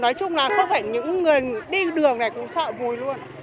nói chung là có phải những người đi đường này cũng sợ mùi luôn